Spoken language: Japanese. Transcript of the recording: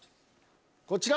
こちら！